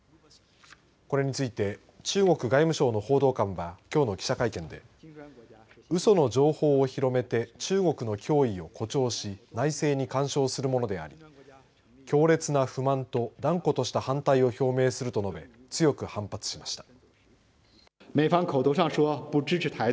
これについて中国外務省の報道官は、きょうの記者会見でうその情報を広めて中国の脅威を誇張し内政に干渉するものであり強烈な不満と断固とした反対を表明すると述べ強く反発しました。